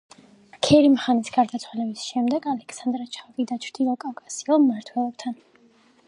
ქერიმ-ხანის გარდაცვალების შემდეგ ალექსანდრე ჩავიდა ჩრდილოკავკასიელ მმართველებთან.